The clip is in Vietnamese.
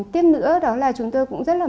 tiếp nữa đó là chúng tôi cũng rất là